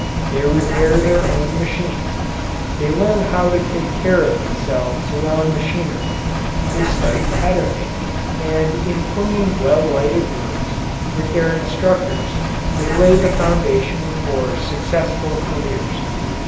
They repair their own machines; they learn how to take care of themselves around machinery; they study pattern making and in clean, well lighted rooms with their instructors they lay the foundation for successful careers.